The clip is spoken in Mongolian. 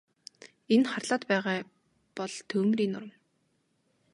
Энэ харлаад байгаа бол түймрийн нурам.